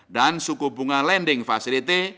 dan suku bunga lending facility